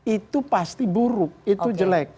itu pasti buruk itu jelek